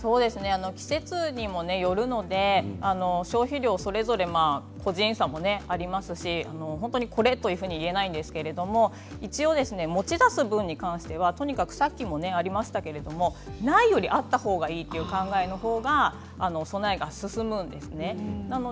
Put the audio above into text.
季節にもよるので消費量もそれぞれ個人差もありますし本当に、これというふうには言えないんですけれども持ち出す分に対してはさっきもありましたけれどもないよりあったほうがいいという考えのほうが備えが進むんですね。